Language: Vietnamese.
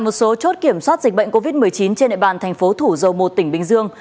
một số chốt kiểm soát dịch bệnh covid một mươi chín trên địa bàn thành phố thủ dầu một tỉnh bình dương